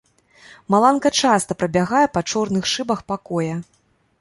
Маланка часта прабягае па чорных шыбах пакоя.